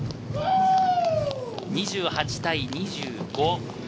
２８対２５。